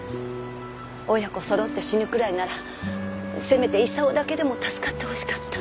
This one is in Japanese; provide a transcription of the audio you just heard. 親子そろって死ぬくらいならせめて功だけでも助かってほしかった。